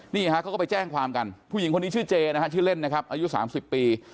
นี่ฮะเขาก็ไปแจ้งความกันผู้หญิงคนนี้ชื่อเจนะฮะชื่อเล่นนะครับอายุ๓๐ปี